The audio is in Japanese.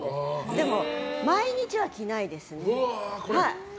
でも毎日は着ないですね。